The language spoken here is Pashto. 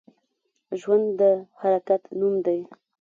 ژوند د حرکت نوم دی